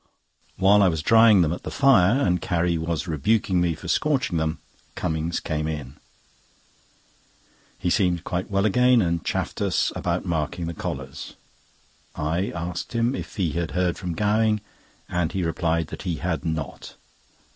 While I was drying them at the fire, and Carrie was rebuking me for scorching them, Cummings came in. He seemed quite well again, and chaffed us about marking the collars. I asked him if he had heard from Gowing, and he replied that he had not.